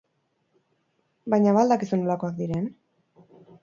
Baina ba al dakizu nolakoak diren?